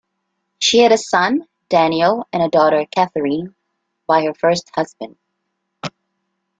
She had a son, Daniel, and a daughter, Katherine, by her first husband.